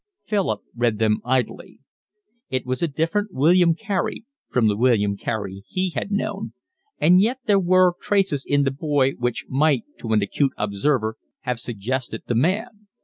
Philip read them idly. It was a different William Carey from the William Carey he had known, and yet there were traces in the boy which might to an acute observer have suggested the man.